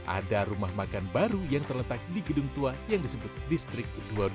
ada rumah makan baru yang terletak di gedung tua yang disebut distrik dua puluh dua